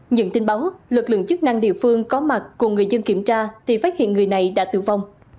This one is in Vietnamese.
nhận tin báo lực lượng chức năng địa phương có mặt cùng người dân kiểm tra thì phát hiện người này đã tử vong